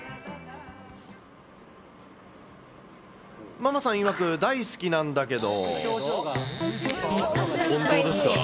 ママさんいわく、大好きなんだけど。